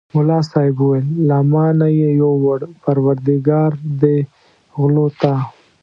ملا صاحب وویل له ما نه یې یووړ پرودګار دې غلو ته.